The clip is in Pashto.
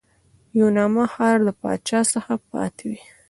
د یونا ښار د پاچا څخه پاتې وې.